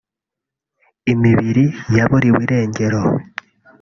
imibiri yaburiwe irengero